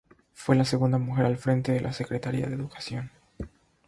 Fue la segunda mujer al frente de la Secretaría de Educación.